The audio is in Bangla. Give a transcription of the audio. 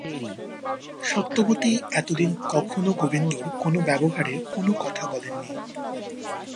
সত্যবতী এতদিন কখনো গোবিন্দর কোনো ব্যবহারে কোনো কথা বলেন নি।